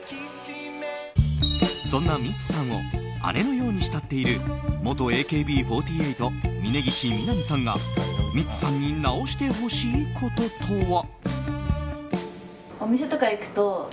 そんなミッツさんを姉のように慕っている元ＡＫＢ４８、峯岸みなみさんがミッツさんに直してほしいこととは。